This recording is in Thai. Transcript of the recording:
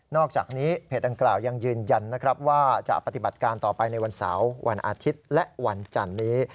อกจากนี้เพจดังกล่าวยังยืนยันนะครับว่าจะปฏิบัติการต่อไปในวันเสาร์วันอาทิตย์และวันจันนี้